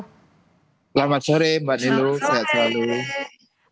selamat sore mbak nilu sehat selalu